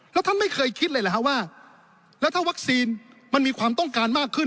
แล้วท่านไม่เคยคิดเลยเหรอฮะว่าแล้วถ้าวัคซีนมันมีความต้องการมากขึ้น